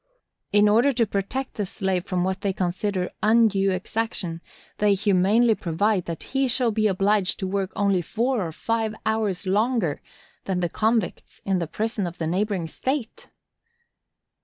In order to protect the slave from what they consider undue exaction, they humanely provide that he shall be obliged to work only four or five hours longer than the convicts in the prison of the neighboring state!